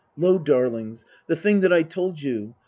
Lo, darlings, the thing that I told you